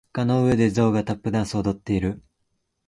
蟻の上でゾウがタップダンスを踊っている。